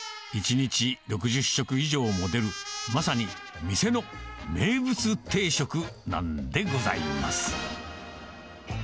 １日６０食以上も出る、まさに店の名物定食なんでございます。